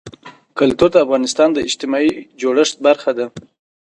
کلتور د افغانستان د اجتماعي جوړښت برخه ده.